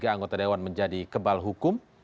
anggota dewan menjadi kebal hukum